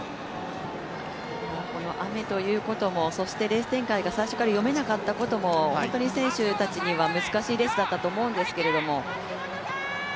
雨ということもそしてレース展開が最初から読めなかったことも選手たちには難しいレースだったと思います。